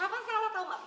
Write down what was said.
apa salah tau gak